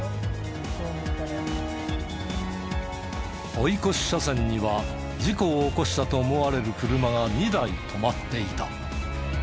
追い越し車線には事故を起こしたと思われる車が２台止まっていた。